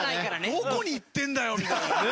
どこに行ってんだよみたいな。